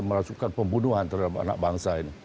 mereka merasukkan pembunuhan terhadap anak bangsa ini